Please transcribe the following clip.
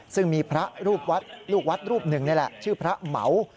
ซึ่งมีพระรูปวัดรูปหนึ่งนี่แหละชื่อพระเหมา